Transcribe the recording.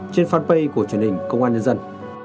trên fanpage của truyền hình công an nhân dân